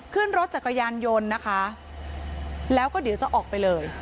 ขึ้นรถจักรยานยนต์นะคะแล้วก็เดี๋ยวจะออกไปเลย